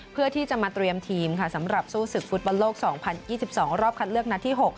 เพื่อที่จะมาเตรียมทีมค่ะสำหรับสู้ศึกฟุตบอลโลก๒๐๒๒รอบคัดเลือกนัดที่๖